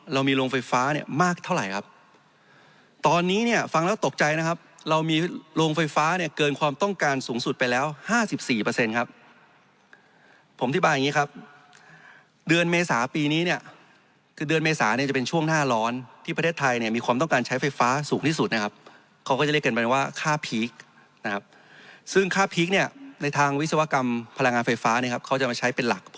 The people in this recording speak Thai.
เรามีลงไฟฟ้าเนี่ยเกินความต้องการสูงสุดไปแล้ว๕๔เปอร์เซ็นต์ครับผมที่บอกอย่างนี้ครับเดือนเมษาปีนี้เนี่ยคือเดือนเมษาเนี่ยจะเป็นช่วงหน้าร้อนที่ประเทศไทยเนี่ยมีความต้องการใช้ไฟฟ้าสูงที่สุดนะครับเขาก็จะเรียกกันเป็นว่าค่าพีคนะครับซึ่งค่าพีคเนี่ยในทางวิศวกรรมพลังงานไฟฟ้